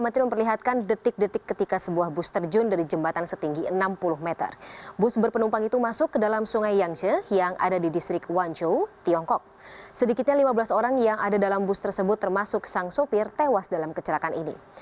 sedikitnya lima belas orang yang ada dalam bus tersebut termasuk sang sopir tewas dalam kecelakaan ini